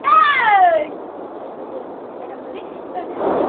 সব অশ্বারোহীর কমান্ডার ছিল আমর ইবনুল আস।